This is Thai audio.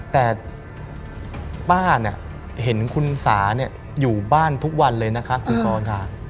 แต่ป้าเนี่ยเห็นคุณสาอยู่บ้านทุกวันเลยนะคะคุณกรค่ะ